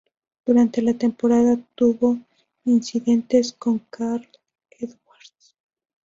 Durante la temporada tuvo incidentes con Carl Edwards.